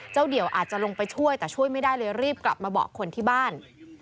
เดี่ยวอาจจะลงไปช่วยแต่ช่วยไม่ได้เลยรีบกลับมาบอกคนที่บ้าน